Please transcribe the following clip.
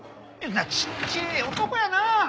ちっちぇえ男やな！